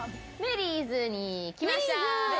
メリーズに来ました！